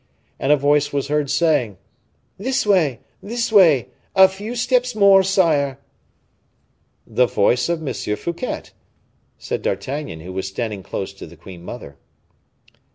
And a voice was heard saying, "This way, this way! A few steps more, sire!" "The voice of M. Fouquet," said D'Artagnan, who was standing close to the queen mother.